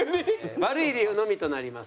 悪い理由のみとなります。